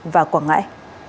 và quảng ngãi